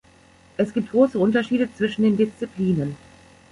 Es gibt große Unterschiede zwischen den Disziplinen.